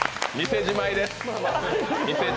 店じまいです。